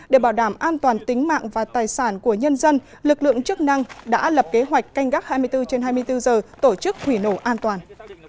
để bảo đảm an toàn tính mạng và tài sản của nhân dân lực lượng chức năng đã lập kế hoạch canh gác hai mươi bốn trên hai mươi bốn giờ tổ chức hủy nổ an toàn